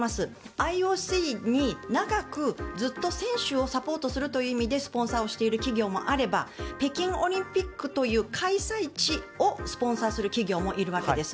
ＩＯＣに長くずっと選手をサポートするという意味でスポンサーをしている企業もあれば北京オリンピックという開催地をスポンサーする企業もいるわけです。